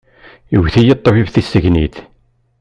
Iwet-iyi ṭṭbib tissegnit.